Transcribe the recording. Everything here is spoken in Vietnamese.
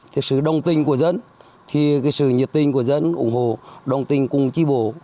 thì sự đồng tình của dân thì sự nhiệt tình của dân ủng hộ đồng tình cùng chi bộ